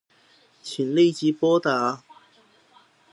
請立即撥打